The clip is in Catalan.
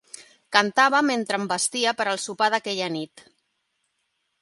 Cantava mentre em vestia per al sopar d'aquella nit.